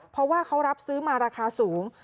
เพราะว่าเขารับซื้อมาราคาสูง